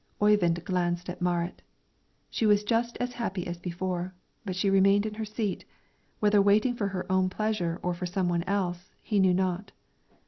Oyvind glanced at Marit; she was just as happy as before, but she remained in her seat, whether waiting for her own pleasure or for some one else, he knew not.